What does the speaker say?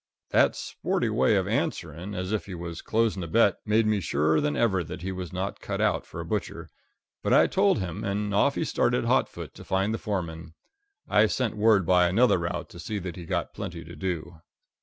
That sporty way of answering, as if he was closing a bet, made me surer than ever that he was not cut out for a butcher. But I told him, and off he started hot foot to find the foreman. I sent word by another route to see that he got plenty to do.